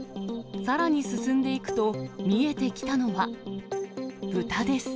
さらに進んでいくと、見えてきたのは豚です。